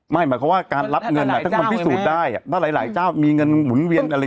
หรือว่าการรับเงินมันพิสูจน์ได้มีเงินหมุนเวียนอะไรต่าง